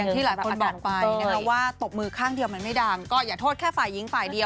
ที่หลายคนบอกไปนะคะว่าตบมือข้างเดียวมันไม่ดังก็อย่าโทษแค่ฝ่ายหญิงฝ่ายเดียว